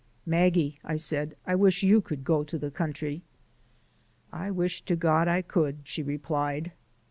"Maggie," I said, "I wish you could go to the country." "I wish to God I could," she replied.